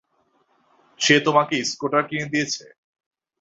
সে তোমাকে স্কুটার কিনে দিয়েছে?